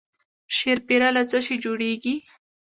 شیرپیره له څه شي جوړیږي؟